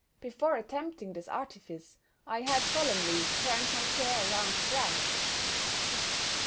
Before attempting this artifice, I had solemnly turned my chair round thrice.